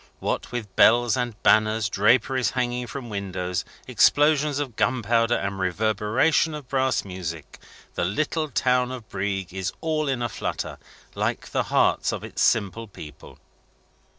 What with bells and banners, draperies hanging from windows, explosion of gunpowder, and reverberation of brass music, the little town of Brieg is all in a flutter, like the hearts of its simple people.